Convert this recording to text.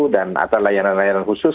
dan atau layanan layanan khusus